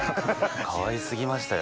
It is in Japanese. かわい過ぎましたよ